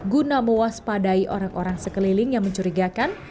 guna mewaspadai orang orang sekeliling yang mencurigakan